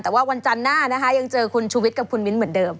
แต่ว่าวันจันทร์หน้านะคะยังเจอคุณชูวิทย์กับคุณมิ้นเหมือนเดิม